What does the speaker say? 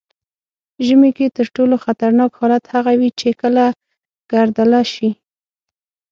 ژمي کې تر ټولو خطرناک حالت هغه وي چې کله ګردله شي.